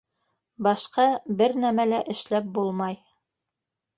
Башҡа бер нәмә лә эшләп булмай.